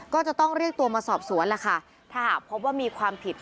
ก็จะต้องเรียกตัวมาสอบสวนล่ะค่ะถ้าหากพบว่ามีความผิด